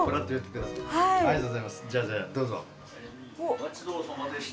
お待ち遠さまでした。